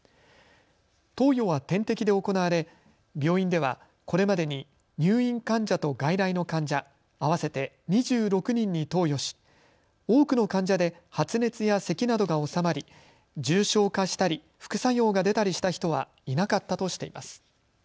投与は点滴で行われ病院ではこれまでに入院患者と外来の患者合わせて２６人に投与し多くの患者で発熱やせきなどが治まり重症化したり副作用が出たりした人はいなかったとしています。